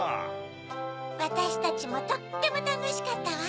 わたしたちもとってもたのしかったわ。